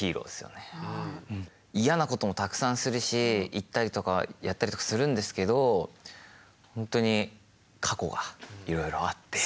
嫌なこともたくさんするし言ったりとかやったりとかするんですけどほんとに過去がいろいろあって。